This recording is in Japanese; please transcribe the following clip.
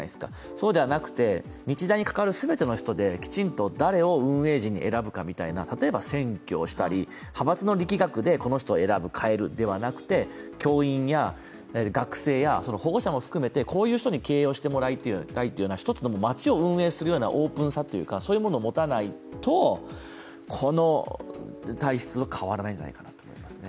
そうではなくて、日大に関わる全ての人できちんと誰を運営陣に選ぶかみたいな例えば、選挙をしたり派閥の力学でこの人を選ぶ、かえるではなくて教員や学生や保護者も含めてこういう人に経営をしてもらいたいという、町を運営するようなオープンさとかそういうものを持たないと、この体質は変わらないんじゃないかなと思いますね。